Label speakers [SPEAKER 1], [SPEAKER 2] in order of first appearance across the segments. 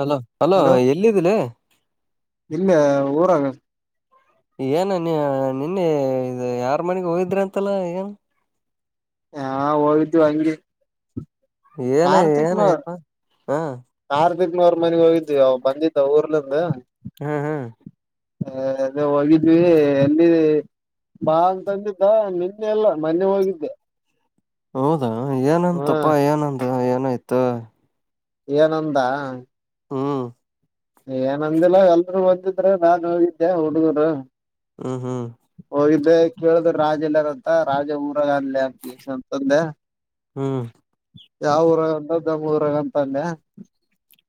[SPEAKER 1] Hello hello
[SPEAKER 2] hello
[SPEAKER 1] ಎಲ್ಲಿದ್ದಿಲ್ಲ
[SPEAKER 2] ಇಲ್ಲ ಊರಾಗ
[SPEAKER 1] ಏನ ನೀ ನಿನ್ನೆ ಯಾರ್ ಮನೆಗ್ ಹೋಗಿದ್ರಿ ಅಂತಲ್ಲ ಏನ್
[SPEAKER 2] ಹಾ ಹೋಗಿವ್ದಿ ಹಂಗೆ
[SPEAKER 1] ಏನ ಏನಯಪ್ಪ ಹಾ
[SPEAKER 2] ಹನೂಾರ ಮನೆಗ್ ಹೋಗಿದ್ವಿ ಅವ ಬಂದಿದ್ದ ಊರ್ಲಿಂದ
[SPEAKER 1] ಹ್ಮ್ ಹ್ಮ್
[SPEAKER 2] ಹ ಅಲ್ಲ ಹೋಗಿದ್ವಿ ಎಲ್ಲಿ ಬಾ ಅಂತಂದಿದ್ದ ನಿನ್ನೆ ಎಲ್ಲ ಮೊನ್ನೆ ಹೋಗಿದ್ದೆ
[SPEAKER 1] ಹೌದಾ
[SPEAKER 2] ಹ್ಮ
[SPEAKER 1] ಏನಂತಪ್ಪಾ ಏನಂದ ಏನಾಯ್ತ
[SPEAKER 2] ಏನಂದ
[SPEAKER 1] ಹ್ಮ್
[SPEAKER 2] ಏನಂದಿಲ್ಲ ಎಲ್ರುೂ ಒದಂದಿದ್ರೆ ನಾನ್ ಹೋಗಿದ್ದೆ ಹುಡುಗರು
[SPEAKER 1] ಹ್ಮ್ ಹ್ಮ್
[SPEAKER 2] ಹೋಗಿದ್ದೆ ಕೇಳಿದ್ ರಾಜ ಇಲ್ಲಾರಂತ ರಾಜ ಊರು ಅಲ ಅಂತಂದೆ
[SPEAKER 1] ಹ್ಮ್
[SPEAKER 2] ಯಾವಊರ ಮೂರಂತಲ್ಲೆ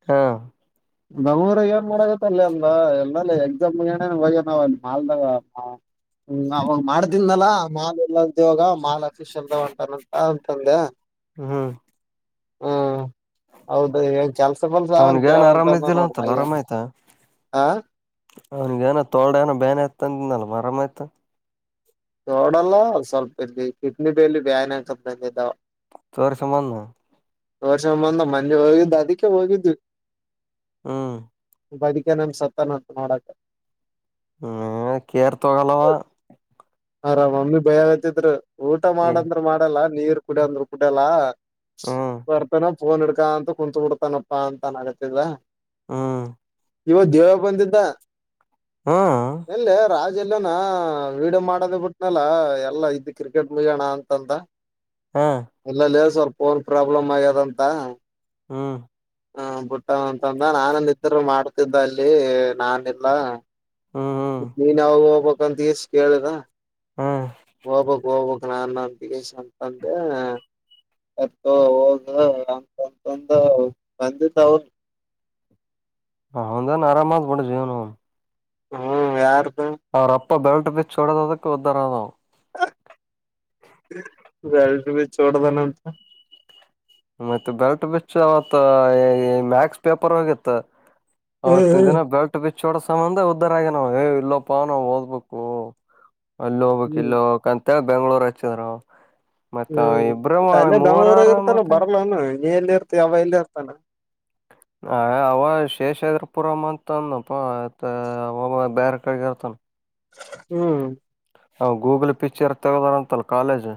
[SPEAKER 1] ಹಾ
[SPEAKER 2] ನಮ್ಮರ ಏನ್ ಮಾಡಗತ್ತ ಅಲ್ಲಿ ಎಲ್ಲ್ಲ ಎಲ್ಲಲ್ಲಿ ಎಕ್ಸಾಮ್ ಏ ಹ ನಾವ್ ಅಲ್ಲಿ ಮಾಲ್ದಾಗ ಹ್ಮ್ ಅವ ಮಾಡ್ದನ್ಲ ಮಾಲ್ ಇಲ್ಲಂತವಾಗ ಮಾಲ್ ಅಫಷ್ ಅಲ್ದಂಟಾನಂತ ಅಂತಂದೆ
[SPEAKER 1] ಹಾ
[SPEAKER 2] ಹೌದ ಏನ್ ಕೆಲ್ಸ ಬಲ್ಸ ಅಂತ ಹೇಳೇಳ
[SPEAKER 1] ಿಲ್ಲ ಅಂತಲ್ಲ ಆರಾಮಾಯಯ್ತಾ ಅವನಗ ಏನ ತೋಡ ಏನ ಬೇನ್ತ ಂದು ನಲ್ವಾರ ಆರಾಮ ಆಯ್ತು
[SPEAKER 2] ತೋಡಲ್ಲ ಸ್ವಲ್ಪ ಇಲ್ಲಿ ಕಿಡ್ನಿ ಬಲ್ಲಿ ಬ್ಯಾನಕತ್ ಬಂದಿದ್ದಾವ
[SPEAKER 1] ತೋರಿಸಷ ಮಾಡ
[SPEAKER 2] ವರ್ಷ ಮುಂದ ಮಂೆ ಹೋಗಿದ್ದು ಅದಕ್ಕೆ ಹೋಗಿದ್ವಿ
[SPEAKER 1] ಹ್ಮ
[SPEAKER 2] ಭಕಾನ ಸತ್ತನ ನಾಡಕ
[SPEAKER 1] ಹ್ಮ ಕೇರ್ ತೋಗಲ್ಲವಾ
[SPEAKER 2] ಆರಾಮ್ ಅಮ್ಮಿ ಭಯ ಆೇ್ತತ್್ರ ಊಟ
[SPEAKER 1] ಹ್ಮ್
[SPEAKER 2] ಮಾಡಂದ್ರರು ಮಾಡಲ್ಲ ನೀರ್ ಕುಡಂದ್ರರು ಕುಡಿಯಲ್ಲ
[SPEAKER 1] ಹ್ಮ್
[SPEAKER 2] ಬರ್ತನ ಫೋನ್ ಹ ಅಕ್ಕ ಅಂತ ಕುಂತ ಬಿಡ್ತಾನಪ್ಪಾ ಅಂತ ಅನ್ ಆಗತ್ತಿದದ
[SPEAKER 1] ಹ್ಮ್
[SPEAKER 2] ಇವ ದೇವ ಬಂದಿದ್ದ
[SPEAKER 1] ಹ್ಮ್
[SPEAKER 2] ಎಲ್ಲ ರಾಜ ಎಲ್ಲ ವೀಡಿಯೋ ಮಾಡೋದ ಬಿಟ್ನಲ್ಲ ಎಲ್ಲಾ ಇದ್ದ ಕ್ರಿಕೆಟ್ ಮುಗೋಣ ಅಂತಂತ
[SPEAKER 1] ಹ್ಮ್
[SPEAKER 2] ಎಲ್ಲಲ್ಲಿ ಸರ್ ಫೋನ್ ಪ್ರಾಬ್ಲಮ್ ಆಗ್ಯದಂತ
[SPEAKER 1] ಹ್ಮ
[SPEAKER 2] ಹ ಬುಟ್ಟ ಅಂತಂದ ನಾನ ನಿತ್ರರು ಮಾಡ್ತಿದ್ದ ಅಲ್ಲಿ ನಾನಲ್ಲ
[SPEAKER 1] ಹ್ಮ್
[SPEAKER 2] ಮತ್ತ ನೀನ್ ಯಾವಾಗ ಹೋಗ್ಬಕ್ ಅಂತ ಈಸ್ ಕೇಳುದ
[SPEAKER 1] ಹ್ಮ್
[SPEAKER 2] ಹೋಗಬಕ್ ಹೋಗ್ಬಕ್ ನ ನಂಬಿಕೇಶ ಅಂತಂದ ಅತ ಹದ ಅಂತಂತಂದು ಬಂದಿದ್ದ ಅವನು
[SPEAKER 1] ಹೌಂದಾನ ಆರಾಮ ಬಡ ಜೀವನು
[SPEAKER 2] ಹ್ಮ್ ಯಾರು
[SPEAKER 1] ಯ ರಪ್ಪಾ ಬ ಬೆಲ್್ಟಟ್ ಛೋಡದದ ದರ ಆದ
[SPEAKER 2] ಗಳ ಬಿ ಚೋಡದನಂತ
[SPEAKER 1] ಮತ್ತೆ ಬೆಲ್ಟ್ ಬಿಚ್ಚ ಅವತ್ ಮ್ಯಾಕ್ಸ್ ಪೇಪರ್ ಹೋಗಿತ್ತ ಹತ್ತಿನ
[SPEAKER 2] ಹ್ಮ್
[SPEAKER 1] ದಿನ ಬೆಲ್ಟ್ ಬಿ ಚೋಡ ಸಂಬಂಧ ಉದ್ದಾರ ಆಗ ನಾವ್ ಇಲ್ಲೋಪ್ಪ ನಾವ್ ಓದ್ಬೇಕು ಅಲ್ಲ ಹಬ
[SPEAKER 2] ಹ್ಮ್
[SPEAKER 1] ಕಿಿಲ್ಲೋ ಕಂತ ಬೆಂಗ್ಳೂರ್ ಹಚ್ಚಿದ್ ಮತ್ತ ಇಬ್ರ ಮೂರಾರ ಮ
[SPEAKER 2] ಬರಲ್ಲಾನ ನೀ ಎಲ್ಲಿ ಇರ್ತೀ ಅವ ಎಲ್ಲಿ ಇರ್ತಾನ
[SPEAKER 1] ಆ ಅವ ಶೇಷಾದ್ರಪುರಮ ಅಂತನಪ್ಪ ಅವ ಬೇರೆ ಕಡೆಗೆ ಇರ್ತಾನ
[SPEAKER 2] ಹ್ಮ್
[SPEAKER 1] ಅವ ಗೂಗಲ್ ಪಿಕ್ಚರ್ ತಗದಾರಂತಲ್ಲ ಕಾಲೇಜ್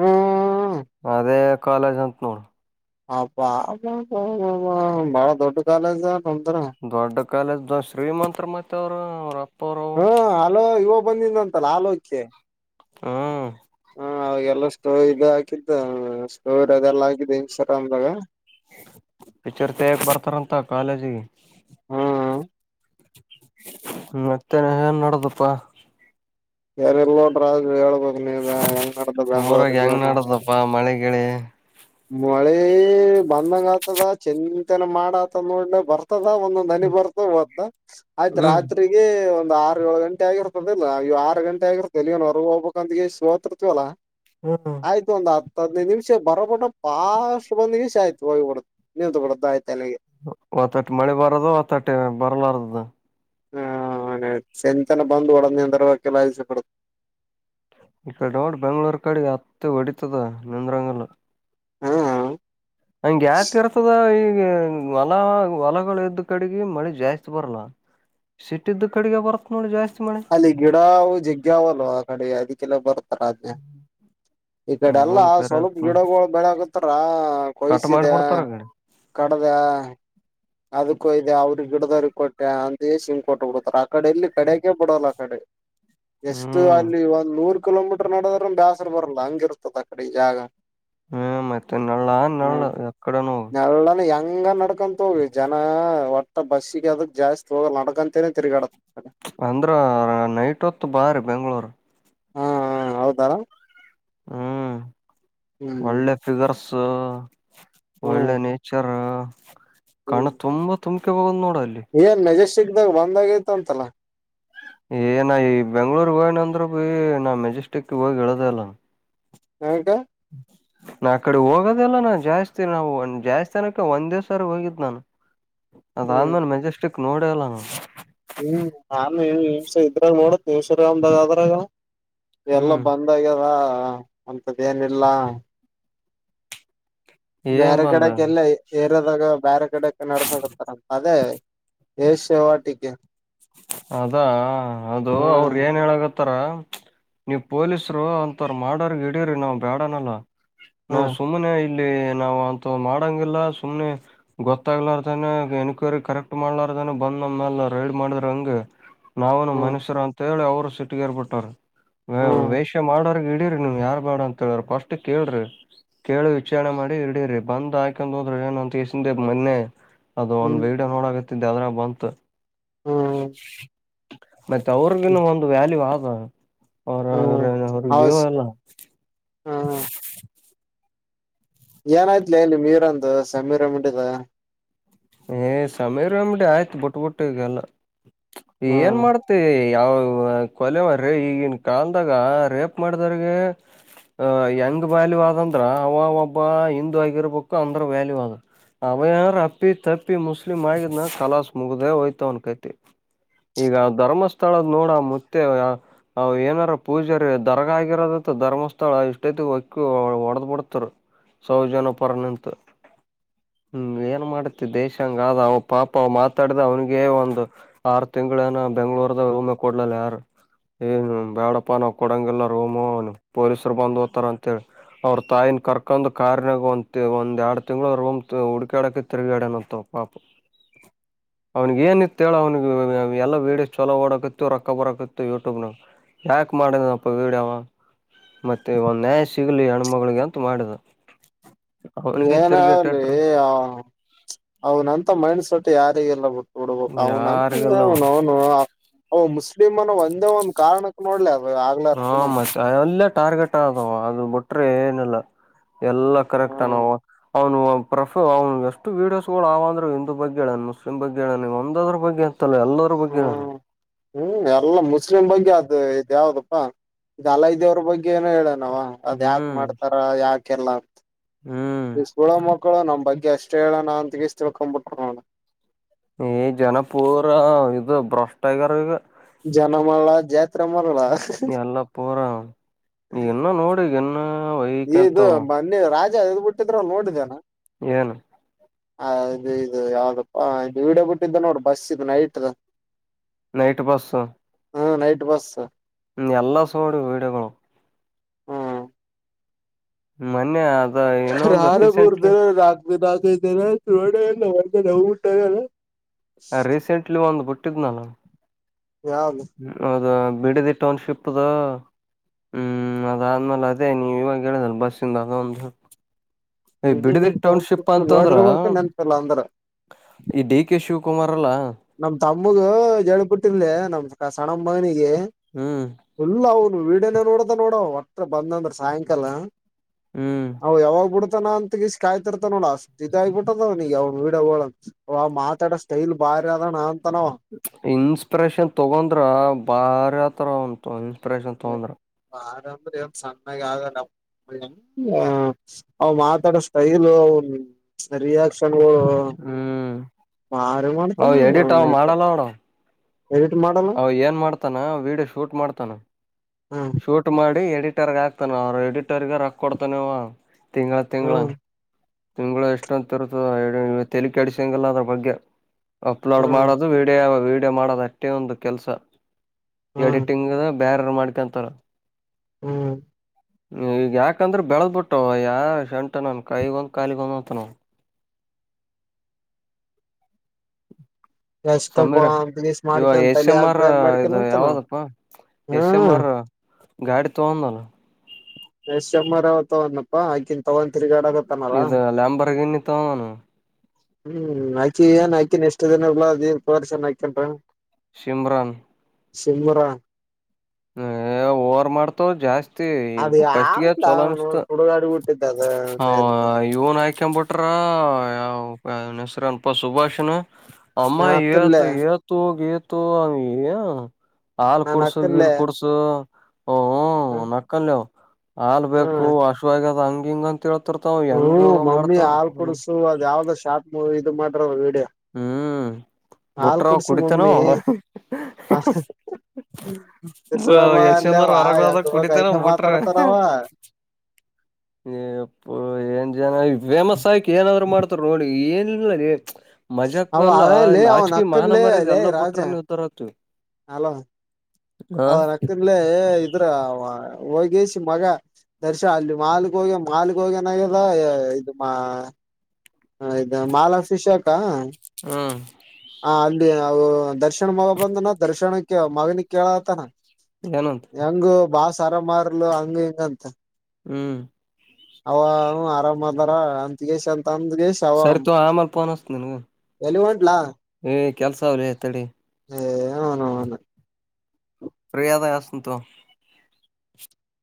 [SPEAKER 2] ಹಾ
[SPEAKER 1] ಅದೇ ಕಾಲೇಜ್ ಅಂತ ನೋಡು
[SPEAKER 2] ಅಬಾ ಬಾಳ ದೊಡ್ಡ ಕಾಲೇಜ ನಮ್ದ್ರ
[SPEAKER 1] ದೊಡ್ಡ ಕಾಲೇಜ್ ಶ್ರೀಮಂತ್ ಮತ್ತ ಅವರು ಅಪ್ಪ
[SPEAKER 2] ಹ್ಮ ಹಲೋ ಇವ ಬಂದಿದ್ದಂತಲ್ಲ ಆಲೋಕೆ
[SPEAKER 1] ಹ್ಮ
[SPEAKER 2] ಹ ಅವಾಗೆಲ್ಲ ಸ್ಟೋವ್ ಇದು ಹಾಕಿದ್ದ ಸ್ಟೋವರ್ ಅದೆಲ್ಲ ಹಾಕಿದ್ದ ಇನ್ಸ್ಟಾಗ್ರಾಮ್ದಾಗ
[SPEAKER 1] ಪಿಚರ್ ತೇಕ್ ಬರ್ತಾರಂತ ಕಾಲೇಜಿಗೆ
[SPEAKER 2] ಹ್ಮ್
[SPEAKER 1] ಮತ್ತೆ ಏನ್ ನಡದಪ್ಪಾ
[SPEAKER 2] ಯಾರಲ್ೋ್ರ್ರರು ಹೇಳ್ಬೋದು [unintelligible] ಅ ಯಂಗದ ಬ
[SPEAKER 1] ಊರಾಗ ಹೆಂಗ್
[SPEAKER 2] ಬೆಂಗ್ಳೂರುಲ್ಲಿಣ
[SPEAKER 1] ನಡದಪ್ಪಾ ಮಳೆಗಿಳಿ
[SPEAKER 2] ಮಳೆ ಬಂದಂಗ ಆತದ ಚಂತೆನ ಮಾಡ ಆತದ ನೋಡಲ ಬರ್ತ ತದ ಒಂದೊಂದ್ ನನಿ ಬರ್ತ ಅಂತ ಆಯ್ತ
[SPEAKER 1] ಹ್ಮ್
[SPEAKER 2] ರಾತ್ರಿಗೆ ಒಂದು ಆರು ಏು ಗಂಟೆ ಆಗಿರ್ತದಲ್ಲ ಇವ ಆ ಗಂಟೆ ಆಗಿರ್ತ್ತದೆ ಇವನ್ ಹೊರ್ಗ ಹೋಗ್ಬೇಕ ಅಂದ ಇಷ್ಟುೋತಿರ್ತವಲ್ಲ
[SPEAKER 1] ಹ್ಮ್
[SPEAKER 2] ಆಯ್ತು ಒಂದ್ ಹತ್ತು ಹದ್ನೈದು ನಿಮಿಷ ಬರೋಬ ಬಹಷ್ಟು ಬಂದ್ ಗ ಆಯ್ತು ಹೋಗಿಬಡ ನಿಂತು ಬಿಡ್ದು ಆಯ್ತು ಎಲ್ಲಿಗೆ
[SPEAKER 1] ಒತ್ತಟ್ಟ ಮಳೆ ಬರದು ಒತ್ತಟ್ಟ ಬರ್ಲಾರದು
[SPEAKER 2] ಹ ಚೆಂಚನ ಬತ್್ ಉಡನಿಯಂತರವಲ್ಲ ಆಯಜಪಡ್
[SPEAKER 1] ಈ ಕಡೆ ನೋಡ್ ಬೆಂಗಳೂರ್ ಕಡೆ ಅತ್ತೆ ಹೊಡಿತದ ನಿಂದ್ರಂಗಲ್ [unintelligible]
[SPEAKER 2] ಹಾ ಹ
[SPEAKER 1] ಹಂಗ ಯಾಕ ಕೆಸದ ಈ ಈ ಹೊಲ ಹೊಲಗಳ ಎದ್ದ ಕಡೆಗೆ ಮಳಿ ಜಾಸ್ತಿ ಬರಲ್ಲ ಸಿಟ್ಟ್ದು ಕಡೆಗೆ ಬರುತ್ತ ನೋಡಿ ಜಾಸ್ತಿ ಮಳೆ
[SPEAKER 2] ಅಲ್ಲಿ ಗಿಡ ಜಿಗ್ಗ್ಯಾವಲ್ವ ಆ ಕಡೆ ಅದಕ್ಕೆಲ್ಲ ಬರ್ತಾರ ಆದ್ ಈ ಕಡೆ ಎಲ್ಲಾ
[SPEAKER 1] ಅದನ್ ಕರೆ
[SPEAKER 2] ಸ್ವಲ್ಪ
[SPEAKER 1] ಆತ್
[SPEAKER 2] ಗಿಡಗಳುಗಳು ಬೆಳಕತ್ತಾರ
[SPEAKER 1] ಕಟ್
[SPEAKER 2] ಕೊಯ್ಸಿದೆ
[SPEAKER 1] ಮಾಡಿಬಿಡ್ತಾರ ಆ ಕಡೆ
[SPEAKER 2] ಕಡದ ಅದಕ್ಕೂ ಇದೆ ಅವ್ರಿಗೆ ಗಿಡದಾರಿ ಕೊಟ್ಟೆ ಅಂತ ಶಿಂಗ್ಕ ಕೊಟ್ಟೆ ಬಿಡತಾರ ಆ ಕಡೆ ಎಲ್ಲಿ ಕಡಕೆ ಬಿಡೋಲ್ಲ ಆ ಕಡೆ ಎಷ್ಟು
[SPEAKER 1] ಹ್ಮ್
[SPEAKER 2] ಅಲ್ಲಿ ಒಂದ್ ನೂರ್ ಕಿಲೋಮೀಟರ್ ನೋಡೋದ್ರ ಬ್ಯಾಸರ್ ಬರ್ಲ್ಲ ಹಂಗಿರ್ತದ ಆ ಕಡೆ ಈ ಜಾಗ
[SPEAKER 1] ಹ್ಮ್- ಮತ್ತೆ ನಳ್ಳ ನಳ್ಳ ಎಡೆ
[SPEAKER 2] ನನ ಹೆಂಗ ನಡ್ಕೊಂತ ಹೋಗ್ವಿ ಜನ ಒಟ್ಟ. ಮ- ಬಸ್ಸಿಗೆ ಅದಕ್ ಜಾಸ್ತಿ ಹೋಗ ನಡಗಂತೇನೆ ತಿರುಗಾಡತ್,
[SPEAKER 1] ಅಂದ್ರ ನೈಟ್ ಹೊತ್ತು ಬಾರಿ ಬೆಂಗಳೂರು.
[SPEAKER 2] ಹಾ- ಹ -ಹೌದಾ.
[SPEAKER 1] ಹ್ಮ್
[SPEAKER 2] ಹ್ಮ್
[SPEAKER 1] -ಒಳ್ಳೆ ಫಿಗರ್ಸ್
[SPEAKER 2] ಹ್ಮ್
[SPEAKER 1] ಒಳ್ಳೆ ನೇಚರ್ ಕಣ
[SPEAKER 2] ಹ್ಮ್
[SPEAKER 1] ತುಂಬಾ ತುಂಬಕೆ ಹೋಗದ್ ನೋಡ. ಅಲ್ಲಿ
[SPEAKER 2] ಏನ್ ಮೆಜೆಸ್ಟಿಕ್ ದಾಗ ಬಂದಾಗೈತ ಅಂತಲ್ಲ.
[SPEAKER 1] ಏನ ಈ ಬೆಂಗ್ಳೂರ್ [unintelligible] ಹೋಗನ ಅಂದ್ರ ಬಿ ನಾ ಮೆಜೆಸ್ಟಿಕ್ ಹೋಗಿ ಹೇಳದ ಅಲ್ಲ.
[SPEAKER 2] ಹಟ [inaudible]
[SPEAKER 1] ಹ್ಮ [inaudible] ನಾ -ಆ ಕಡೆ ಹೋಗೋದಲ್ಲ ನಾ ಜಾಸ್ತಿ ನಾವು ಒ ಜಾಸ್ತಿ ತಾನಕ್ಕೆ ಒಂದ್ ದಿವ್ಸಾರ ಹೋಗಿದ್ದ್ ನಾನು.
[SPEAKER 2] ಹ್ಮ್
[SPEAKER 1] ಅದಾದ್ಮೇಲೆ ಮೆಜೆಸ್ಟಿಕ್ ನೋಡಲ್ಲ ನಾ-
[SPEAKER 2] ಹ್ಮ್ [unintelligible] ನಾನಸ ಇದ್ರಾಗ ನೋಡ [unintelligible] ದೇಶರಮದಾಗ ಅದ್ರಾಗ ಎಲ್ಲ
[SPEAKER 1] ಹ್ಮ್
[SPEAKER 2] ಬಂದಾಗ್ಯದ ಅಂತದ [unintelligible] ಏನಿಲ್ಲ
[SPEAKER 1] ಏನ್
[SPEAKER 2] ಬೇರೆ
[SPEAKER 1] ಬಂದ
[SPEAKER 2] ಕಡೆಕ್ಕೆ ಎಲ್ಲ ಏರದಾಗ ಬೇರೆ ಕಡೆಕ್ ನಡಸಕತ್ತಾರಂತ ಅದೇ. ಎ ಸೇವಾ ಿಕೆ
[SPEAKER 1] ಅದಾ ಅದು ಅವ್ರ
[SPEAKER 2] ಹ್ಮ್
[SPEAKER 1] ಏನ್ ಹೇಳಗತ್ತ. ಒಥರ ನೀವ್ ಪೊಲೀಸರು ಒಂಥರ ಮಾಡೋರ್ ಇಡೀರಿ ನಾವ್ ಬ್ಯಾಡನಲ್ಲ. ನಾವ್
[SPEAKER 2] ಹ್ಮ್
[SPEAKER 1] ಸುಮ್ಮ್ನೆ ಇಲ್ಲಿ ನಾವವು ಅಂತೂ ಮಾಡಂಗಿಲ್ಲ ಸುಮ್ಮ್ನೆ, ಗೊತ್ತಾಗ್ಲಾರತಾನೆ ಎನ್ಕ್ವರಿ ಕರೆಕ್ಟ್ ಮಾಡ್ಲಾರತಾನೆ ಬಂದ ಮೇಲೆ ರೈಡ್ ಮಾಡಿದ, ಹಂಗೆ ನಾವನು
[SPEAKER 2] ಹ್ಮ್
[SPEAKER 1] ಮನುಷ್ಯರ ಅಂತ ಹೇಳಿ ಅವರು ಸಿಟ್ಟಗೇಏರ್ ಬಿಟ್ಟರು. ಹ-
[SPEAKER 2] ಹ್ಮ್
[SPEAKER 1] ವೇಷ್ಯ ಮಾಡೋರ್ಗ್ ಇಡೀರ್. ನೀ್ -ಯಾರ್ ಬೇಡ ಅಂತ ಹೇಳ್ರ ಫಸ್ಟ್ ಕೇಳ್ರಿ ಕೇಳಿ ವಿಚಾರಣೆ ಮಾಡಿ ಇಡಿರಿ ಬಂದ್ ಆಾಕಂದ್ ಹೋದ್ರ ಏ. ಸಂತೇಶ [unintelligible] ಮನ್ನೆ ಅದು ಒಂದ್ [inaudible] [unintelligible]
[SPEAKER 2] ಹ್ಮ್
[SPEAKER 1] ಬೇಡ ನೋಡಕತ್ತಿದ್ದ ಅದ್ರ ಬಂತು
[SPEAKER 2] ಹ್ಮ್
[SPEAKER 1] ಮತ್ತೆ ಅವ್ರಗಿನು ಒಂದು ವ್ಯಾಲ್ಯೂ ಆಗ ಅವರ
[SPEAKER 2] ಹ್ಮ್
[SPEAKER 1] ಅವ್ರಗ್ ಜೀವ
[SPEAKER 2] ಹೌಸ್
[SPEAKER 1] ಎಲ್ಲ,
[SPEAKER 2] ಹಾ
[SPEAKER 1] [inaudible]
[SPEAKER 2] ಏನಾಯ್ತ್ಲ ಇಲ್ಲಿ ಮೀರಂದು ಸಮೀರಿಟ್ಟಿದ.
[SPEAKER 1] ಏ [unintelligible] ಸಮಯಮಡಿ ಆಯ್ತು ಬಿಟ್ಬಿಟ್ಟ ಈಗಲ್ಲ ಏನ್
[SPEAKER 2] ಹ್ಮ್
[SPEAKER 1] ಮಾಡ್ತಿ. ಯಾವ ಕೊಲೆವರೀ ಈಗನ್ ಕಾಲ್ದಾಗ ರೇಪ್ ಮಾಡ್ದಾರಗ ಆ -ಯಂಗ್ ವ್ಯಾಲ್ಯೂ ಆದಂದ್ರ ಅವ ಒಬ್ಬ ಹಿಂದೂ ಆಗಿರ್ಬೇಕು ಅಂದ್ರ ವ್ಯಾಲ್ಯೂ ಆದ ಅವಯಾರ ಅಪ್ಪಿ ತಪ್ಪಿ ಮುಸ್ಲಿಂ ಆಗಿದ್ನ ಕಲಾಸ್ ಮುಗ್ದೇ ಹೋಯ್ತವನ್ ಕತಿ ಈಗ ಧರ್ಮಸ್ಥಳದ ನೋಡ ಮತ್ತೆ ಏನಾರ ಪೂಜರು [unintelligible] ದರಗ ಆಗಿರೋದ ಧರ್ಮಸ್ಥಳ ಎಷ್ಟೈತಿ ಒಕ್ಕಿ ಹೊಡೆದ್ ಬಿಡ್ತರು. ಸೌ ಜನಪರ ನಿಂತ ಹ್ಮ್ ಏನ್ ಮಾಡಾತಿ ದೇಶಂಗಾದ ಅವ ಪಾಪ ಅವ ಮಾತಾಡಿದ ಅವ್ನಿಿಗೆೇ ಒಂದು ಆರು ತಿಂಗಳ ಏನ ಬೆಂಗ್ಳೂರ್ದಾಗ ಉಮ್ಮೆ ಕೊಡ್ಲಲ್ಲ ಯಾರು. ಏನು ಬ್ಯಾಡಪ್ಪ ನಾವ ಕೊಡಂಗಿಲ್ಲಾರಮ ಪೊಲೀಸರು ಬಂದ್ ತಾರ ಅಂತೇಳಿ ಅವ್ರ ತಾಯಿನ ಕರ್ಕೊಂಡ್ ಕಾರ್ನಾಗ ಒಂದ ಒಂದ ಎರಡು ತಿಂಗ್ಳ ರಮ್ ಹುಡ್ಕಾಡಕ ತಿರುಗಿಯಾಡನಂತವ ಪಾಪ. ಅವನಿಗೆ ಏನಿತ್ತೇಳು ಅವನಿಗೆ ಎಲ್ಲ ವೀಡಿಯೋಸ್ ಚಲೋ ಓಡಕತ್ತು ರೊಕ್ಕ ಬರಕತ್ತ ಬ್ರೋ ಯಾಕ ಮಾಡಂದ ಅಪ್ಪ ವೀಡಾವ. ಮತ್ತೆ ಒಂದ್ ನ್ಯಾಯ ಸಿಗಲಿ ಹೆಣ್ಮಗಳಿಗೆ ಅಂತೂ ಮಾಡುದು.
[SPEAKER 2] ಏನಾಗಲಿ ಆ ಅವ್ನಂತ ಮೈಂಡ್ ಸೊಟ್ ಯಾರಿಿಗೆಲ್ಲ ಬಿಟ್ಟ ಹಡು
[SPEAKER 1] ಯಾರಿಗಲ್ಲ
[SPEAKER 2] ಅವನನುನು ಅವ ಮುಸ್ಲಿಮ್ ಅನ್ನ ಒಂದೇ ಒಂದ್ ಕಾರಣಕ್ ನೋಡ್ಲಿ ಅಚ [unintelligible]
[SPEAKER 1] ಹಾ -ಮತ್ತ ಅಲ್ಲೇ ಟಾರ್ಗೆಟ್ ಆದವ ಅದು ಬಿಟ್ರೆ ಏನಲ್ಲ. ಎಲ್ಲಾ ಕರೆಕ್ಟ
[SPEAKER 2] ಹ್ಮ್
[SPEAKER 1] ನವು. ಅವ್ನು ಪ್ರಫ ಅವಗೆ ಎಷ್ಟು ವೀಡಿಯೋಸ್ಗಳು ಅವಂದ್ರ ಹಿಂದೂ ಬಗ್ಗೆ ಹೇಳನು ಮುಸ್ಲಿಮ್ ಬಗ್ಗೆ ಹೇಳ ಒಂದದ್ರ ಬಗ್ಗೆ. ಅಂತಲ್ಲ ಎಲ್ಲರ ಬಗ್ಗೆ ಹೇಳಾನ
[SPEAKER 2] ಹ್ಮ -ಹ್ಮ್ -ಎಲ್ಲ ಮುಸ್ಲಿಂ ಬಗ್ಗೆ ಅದು. ಯಾವ್ದಪ್ಪಾಲ್ಲ ಇದೇವ್ರ ಬಗ್ಗೆ ಏನ ಹೇಳ ಅದ್ ಯಾಕ
[SPEAKER 1] ಹ್ಮ್
[SPEAKER 2] ಮಾಡ್ತಾರ ಯಾಕ
[SPEAKER 1] ಹ್ಮ್
[SPEAKER 2] ಎಲ್ಲಕುಳೋ ಮಕ್ಕಳು ನಮ್ ಬಗ್ಗೆ ಅಷ್ಟ ಹೇಳ ನಾ ಅಂತಗಷ್ಟ ತಿಳ್ಕೊಂಡ್ಬಿಟರು ನ
[SPEAKER 1] ಈ ಜನಪುರ ಇದು ಭ್ರಷ್ಟಗರ್ ಈಗ
[SPEAKER 2] ಜನ ಮಾಡಲ್ಲ ಜಾತ್ರೆ ಮಾಡಲ್ಲ
[SPEAKER 1] ಎಲ್ಲಾ ಪರ ಈಗ ಇನ್ನು ನೋಡಿ ಈಗ
[SPEAKER 2] ಇದು ಮನ್ನಿ ರಾಜ ಎದ್ ಬಿಟ್ಟಿದ್ರ ನೋಡಿದನ
[SPEAKER 1] ಏನು
[SPEAKER 2] ಹ ಇದು ಇದು ಯಾವ್ದಪ್ಪ ಇದು ಇಡ ಬಿಟ್ಟಿದ್ದ ನೋಡ್ರಿ ಬಸ್ ಇದು ನೈಟ್
[SPEAKER 1] ನೈಟ್ ಬಸ್
[SPEAKER 2] ಹಾ ನೈಟ್ ಬಸ್
[SPEAKER 1] ಹ್ಮ್ ಎಲ್ಲ ಸೋಡು ವೀಡಗಳುು
[SPEAKER 2] ಹ್ಮ್
[SPEAKER 1] ಮನ್ಯ
[SPEAKER 2] ರಾರ ಬರ್ದ ರಾತ್ ರಾಾಗೈತೆನೆ ಚಲ್ಲ ನಟಲ್ಲ
[SPEAKER 1] ರೀಸೆಂಟ್ಲಿ ಒಂದು್ ಬಿುಟ್ಟಿದ್ದ್ ನಾನು
[SPEAKER 2] ಯಾವ್ದು
[SPEAKER 1] ಹ ಹೌದ ಬಿಡಿದಿ ಟೌನ್ಶಿಪ್ದು ಹ್ಮ್ ಅದಾದ್ಮೇಲೆ ಅದೇ ನೀವ ಇವಾಗ ಹೇಳುದಲ್ಲ ಬಸ್ಿಂದ ಅದ ಒಂದು ್ ಬಿಡದಿ ಟೌನ್ಶಿಪ್ ಅಂತಂದ್ರ
[SPEAKER 2] ನೋಡಿರ್ಬೇಕು ನೆನ್ಪಿಲ್ಲ ಅಂದ್ರ
[SPEAKER 1] ಈ ಡಿ ಕೆ ಶಿವ
[SPEAKER 2] ನಮ್ ತಮ್ಮಗೂ ಜಡಿ ಪುಟ್ಟಿರ್ಲ ನಮ್ ಸಣ್ಣ ಮಗನಿಗೆ
[SPEAKER 1] ಹ್ಮ್
[SPEAKER 2] ಫುಲ್ಲ ಅವನು ವೀಡನ ನೋಡದ ನೋಡ ಹತ್ರ ಬಂದಂದ್ರ ಸಾಯಂಕಾಲ
[SPEAKER 1] ಹ್ಮ್
[SPEAKER 2] ಹ ಯಾವಾಗ್ ಬಿಡ್ತಾನ ಅಂತ ್ತಿರ್ತ ನೋಡ ಅಷ್ಟ ಇದ ಆಗಬಿಟ್ಟದ ಅವ್ಡ ಮಾತಾಡೋ ಸ್ಟೈಲ್ ಬಾರಿ ಅದಣ ಅಂತನವ
[SPEAKER 1] ಇನ್ಸ್ಪಿರೇಷನ್ ತಗೊಂಡ್ರ ಬಾರಿ ಆತರ ಉಂಟು ಆಪರೇಷನ್ ತೊಂದರೆ
[SPEAKER 2] ಅಂದ್ರೆ ಒ್ ಸಣ್ಣಗೆ ಆಗಲ್ಲ ಅವ ಮಾತಾಡ ಸ್ಟೈಲು ಅವ ರಿಯಾಕ್ಷನ್
[SPEAKER 1] ಹ್ಮ್
[SPEAKER 2] ಭಾರಿ
[SPEAKER 1] ನ
[SPEAKER 2] ಮಾಡ್ತಾನ
[SPEAKER 1] ಎಡಿಟಾವ
[SPEAKER 2] ಅವನಯ್ತ
[SPEAKER 1] ಮಾಡಲ್ಲ ಅವಡ
[SPEAKER 2] ಎಡಿಟ್ ಮಾಡಲ್ಲ
[SPEAKER 1] ಅವ ಏನ್ ಮಾಡ್ತಾನ ವೀಡಿಯೋ ಶೂಟ್ ಮಾಡ್ತಾನ
[SPEAKER 2] ಹ
[SPEAKER 1] ಶೂಟ್ ಮಾಡಿ ಎಡಿಟರ್ ಆಗ್ತಾನ ಅವ್ರ ಎಡಿಟರ್ಗೆ ರೊ ಕೊಡ್ತಾನವ ತಿಂಗಳ ತಿಂಗಗಳ
[SPEAKER 2] ಹ್ಮ್
[SPEAKER 1] ತಿಂಗ್ಗಳು ಎಷ್ಟ ಅಂತ ಇರುತದ ತೆಕ್ ಎಡ್ಸಂಗಲ್ಲ ಅದ್ರ ಬಗ್ಗೆ ಅಪ್ಲೋಡ್
[SPEAKER 2] ಹ್ಮ್
[SPEAKER 1] ಮಾಡೋದು ವಡಿಯೋ ವಡಿಯೋ ಮಾಡೋದು ಅಷ್ಟೇ ಒಂದು ಕೆಲಸ
[SPEAKER 2] ಹ್ಮ್
[SPEAKER 1] ಎಡಿಟಿಂಗ್ ಬೇರೆ ಮಾಡ್ಕೊಂತಾರ
[SPEAKER 2] ಹ್ಮ್
[SPEAKER 1] ಈಗ ಯಾಕಂದ್ರ ಬೆಳದ ಬಿಿಟ್ಟ ಯಾ ಶಂಟ ನನ್ ಕೈಗೊಂದ್ ಕಾಲಿಗ ಒಂದ್ ಅಂತ ನಾವ
[SPEAKER 2] ಎಷ್ಟಪ್ಪ
[SPEAKER 1] ಸಮೀರ್
[SPEAKER 2] ಅಂತಗೀಸ್
[SPEAKER 1] ಇವ
[SPEAKER 2] ಮಾಡ್ಕನ್
[SPEAKER 1] ಎಸ್
[SPEAKER 2] ತಲೆ
[SPEAKER 1] ಎಂ
[SPEAKER 2] ಹಾಕ್
[SPEAKER 1] ಆರ್
[SPEAKER 2] ಬ್ಯಾನ್ ಮಾಡ್ಕಲ್ಲ
[SPEAKER 1] ಇದು
[SPEAKER 2] ಅಂತಾನ
[SPEAKER 1] ಯಾವದಪ್ಪ ಎಸ
[SPEAKER 2] ಹ್ಮ್
[SPEAKER 1] ಎಮರ ಗಾಡಿ ತೋಗಂದಲ್ಲ
[SPEAKER 2] ಎಮ್ಮ ಅವಾವ ತಗನಪ್ಪಾ ಆಕಿನ್ ತಗೊೊಂಡ ತಿರುಗಾಡ ಆಗತ್ತನಲ್ಲ
[SPEAKER 1] ತ್ತನು
[SPEAKER 2] ಹ್ಮ್ ಹಾಕಿ ಏನ್ ಹಾಕಿನ ಎಷ್ಟು ದನಲ್ಲಾ ಅ ಪರ್ಶನ್ ಹಾಕಂ್ರ
[SPEAKER 1] ಸಿಮರನ್
[SPEAKER 2] ಶಮರ
[SPEAKER 1] ಹ್ಮ ಹೋರ್ ಮಾಡ್ತೋ ಜಾಸ್ತಿ
[SPEAKER 2] ಅದ
[SPEAKER 1] ಫಸ್ಟ್ಗೆ
[SPEAKER 2] ಯಾವ್ದ
[SPEAKER 1] ಚಲೋ
[SPEAKER 2] ಅವನು
[SPEAKER 1] ಅನ್ಸ್ತು
[SPEAKER 2] ಸುಡುಗಾಡಿ ಬಿಟ್ಟಿದ್ದ ಅದ
[SPEAKER 1] ಇವ್ನ್ ಹಾಕೊಂಡಬಿಟ್ರ ಹೆಸ್ರನ್ಪಾ ಸುಭಾಷನ್ ಅಮ್ಮ
[SPEAKER 2] ಅಕ್ಕನ್ಲೆ
[SPEAKER 1] ಏತ ಏತು ಗೇತು ಅ
[SPEAKER 2] ನಾನ್ ಅಕ್ಕನ್ಲ್ಲ
[SPEAKER 1] ನಕ್ಕಲ್ಯವು್ ಹಾಲ್ ಬೇಕು ಹಶ ಆಗ್ಯದ ಹಂಗ ಹಿಂಗಂತ ತಿೇಳ್ತರ್ತಾವ ಹೆಂಗ
[SPEAKER 2] ಹ್ಮ್ ಮಮ್ಮಿ ಹಾಲ್
[SPEAKER 1] ಮಾಡ್ತಾವನು
[SPEAKER 2] ಕುಡ್ಸು ಅದ್ ಯಾವ್ದೋ ಶಾರ್ಟ್ ಇದು ಮಾಡ್ರವ ವೀಡಿಯ ಹಾಲ್
[SPEAKER 1] ಬುಟ್ರ
[SPEAKER 2] ಕುಡ್ಸು
[SPEAKER 1] ಕುಡಿತಾನೋ
[SPEAKER 2] ಮಮ್ಮಿ ತಿಮ್ಮಲಾವ
[SPEAKER 1] ಯಶಂಬರ್ ಹೊರಗ ಹೋದಾಗ
[SPEAKER 2] ಯಂಗೂಪ
[SPEAKER 1] ಕುಡಿತಾನ
[SPEAKER 2] ಕಹಗೆ ಮಾತಾಡ್ತಾರಾವ
[SPEAKER 1] ಪ್ಪ ಏನ್ ಜನ ಫೇಮಸ್ ಆಯಕ್ ಏನಾದ್ರು ಮಾಡ್ತರು ನೋಡಿ ಏನ್ಿಲ್ಲ
[SPEAKER 2] ಅವ
[SPEAKER 1] ಮಜಾಕ್ನಲ್ಲಾ
[SPEAKER 2] ಅವೇ ಅವನ್
[SPEAKER 1] ನಾಚಕಿ ಮಾಹನ ಮರದ ಎಲ್ಲ ಬಿಟ್ರ ನೀವು ಉ್ದರ ಆಕ್ತಿವಿ
[SPEAKER 2] ಅಲ ಅವ ರಕ್ಕನ್ಲೆ ಇದ್ರ ಹೋಗಸ ಮಗ ದರ್ಶ ಅಲ್ಲಿ ಮಾಲ್ಗ ಹೋಗಿ ಮಾಲ್ಗ್ ಹೋಗ್ಯನಾಗದ ಇದು ಮಾ ಹದಾ ಮಾಲಕ್ಷಿಶಾಖ ಹ
[SPEAKER 1] ಹ್ಮ್
[SPEAKER 2] ಅಲ್ಲಿ ಅವು ದರ್ಶನ್ ಮಗ ಬಂದನ ದರ್ಶನಕ್ಕೆ ಮಗನಿ ಕೇಳತಾನ
[SPEAKER 1] ಏನಂತ
[SPEAKER 2] ಹೆಂಗ ಬಾ ಸರ ಮಾರ್ಲು ಹಂಗ ಹಿಂಗಂತ
[SPEAKER 1] ಹ್ಮ್
[SPEAKER 2] ಅವ ಆರಾಮ್ ಮಾಡದಾರ ಅಂತಗಲ್
[SPEAKER 1] ಸರಿತ ಆಮಲೆ ಪೋನ್ಸ್ದೆನ್ಗೆ
[SPEAKER 2] ಎಲ್ಲಿ ಹೊಂಟ್ಲಾ
[SPEAKER 1] ಏ ಕೆಲಸ ಅವಲಿತಡೆ
[SPEAKER 2] ಅವನೌನು
[SPEAKER 1] ಯಾದಸ ತು